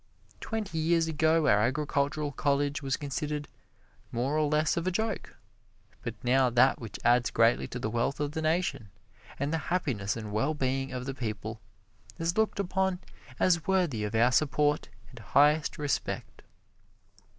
Twenty years ago our agricultural college was considered more or less of a joke, but now that which adds greatly to the wealth of the nation, and the happiness and well being of the people, is looked upon as worthy of our support and highest respect.